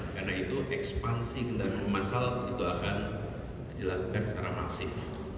karena itu ekspansi kendaraan masal itu akan dilakukan secara masif